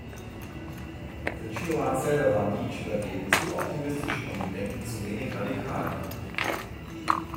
Für Cioran selber war Nietzsche dagegen zu optimistisch und im Denken zu wenig radikal.